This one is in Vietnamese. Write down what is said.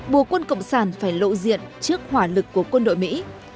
bùa quân cộng sản phải lộ diện trước hỏa lực của quân đội mỹ